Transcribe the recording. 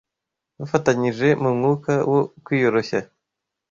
bafatanyije mu mwuka wo kwiyoroshya